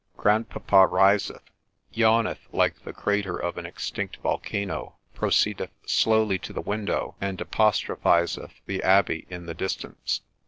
[Grandpapa riseth, yawneth like the crater of an extinct volcano, proceedeth slowly to the window, and apostrophizeth the Abbey in the distance.